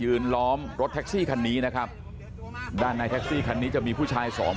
ล้อมรถแท็กซี่คันนี้นะครับด้านในแท็กซี่คันนี้จะมีผู้ชายสอง